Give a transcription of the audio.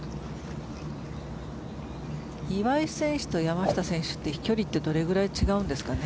岩井選手と山下選手って飛距離ってどれぐらい違うんですか。